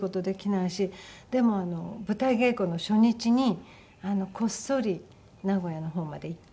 でも舞台稽古の初日にこっそり名古屋の方まで行って。